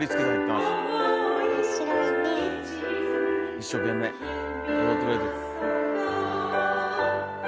一生懸命踊ってくれてる。